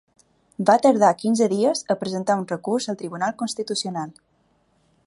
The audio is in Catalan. Va tardar quinze dies a presentar un recurs al Tribunal Constitucional.